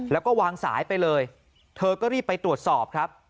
แล้วก็วางสายไปเลยเธอก็รีบไปตรวจสอบครับ